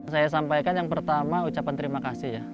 saya sampaikan yang pertama ucapan terima kasih ya